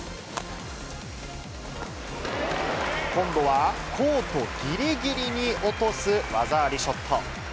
今度は、コートぎりぎりに落とす技ありショット。